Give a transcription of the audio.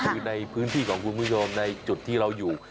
คือในพื้นที่ของคุณผู้ชมในจุดที่เราอยู่